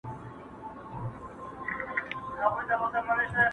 o تر مور او پلار خوږې، را کښېنه که وريجي خورې!